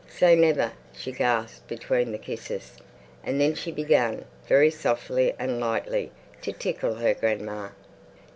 say never—" She gasped between the kisses. And then she began, very softly and lightly, to tickle her grandma.